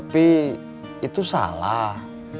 tapi itu salah